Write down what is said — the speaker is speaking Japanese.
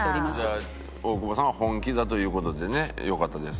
じゃあ大久保さんは本気だという事でねよかったです。